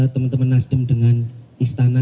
teman teman nasdem dengan istana